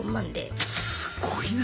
すごいな。